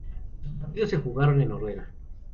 Los partidos se jugaron en Noruega.